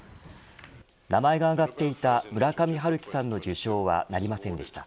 名前が挙がっていた村上春樹さんの受賞はなりませんでした。